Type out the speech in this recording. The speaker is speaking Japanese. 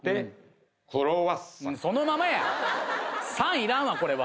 いらんわこれは。